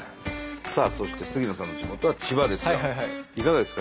さあそして杉野さんの地元は千葉ですがいかがですか？